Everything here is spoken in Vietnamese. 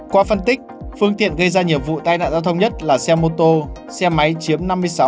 qua phân tích phương tiện gây ra nhiều vụ tai nạn giao thông nhất là xe mô tô xe máy chiếm năm mươi sáu tám mươi hai